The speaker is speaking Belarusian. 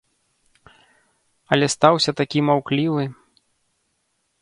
Але стаўся такі маўклівы.